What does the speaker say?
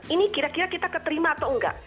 ini kira kira kita keterima atau enggak